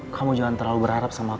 kamu jangan terlalu berharap sama aku